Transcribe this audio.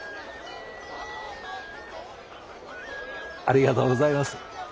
ありがとうございます。